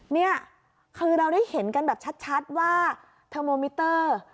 นี่คือเราได้เห็นกันแบบชัดว่าเทอร์โมมิเตอร์